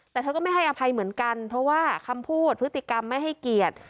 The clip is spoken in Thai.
แต่เธอก็ไม่ให้อภัยเหมือนกันเพราะว่าคำพูดพฤติกรรมไม่ให้เกียรติ